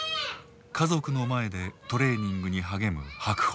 家族の前でトレーニングに励む白鵬。